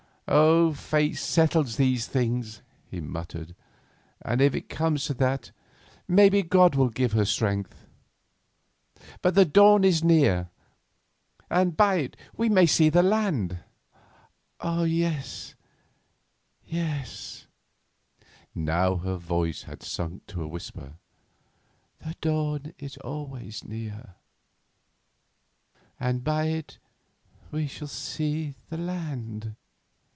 "Fate settles these things," he muttered, "and if it comes to that, maybe God will give her strength. But the dawn is near, and by it we may see land." "Yes, yes,"—now her voice had sunk to a whisper,—"the dawn is always near, and by it we shall see land."